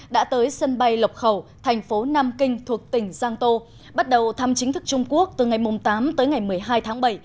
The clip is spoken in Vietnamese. đã tới sân bay lọc khẩu thành phố nam kinh thuộc tỉnh giang tô bắt đầu thăm chính thức trung quốc từ ngày tám tới ngày một mươi hai tháng bảy